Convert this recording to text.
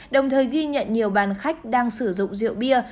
đồng thời ghi nhận nhiều đoàn khách đang sử dụng rượu bia